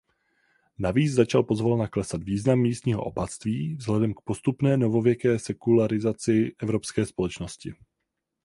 Navíc začal pozvolna klesat význam místního opatství vzhledem k postupné novověké sekularizaci evropské společnosti.